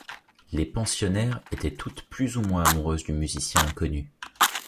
Les pensionnaires étaient toutes plus ou moins amoureuses du musicien inconnu.